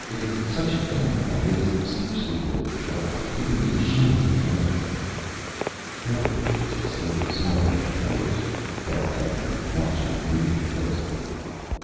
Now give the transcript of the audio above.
It is such a young one! It is scarcely worth the trouble. It would be a shame to kill it." Probably just slightly smaller than a horse, thought Duncan, watching the native closely.